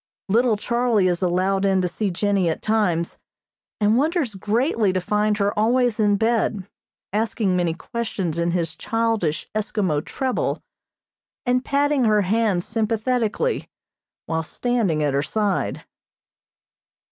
Little Charlie is allowed in to see Jennie at times, and wonders greatly to find her always in bed, asking many questions in his childish Eskimo treble, and patting her hand sympathetically while standing at her side.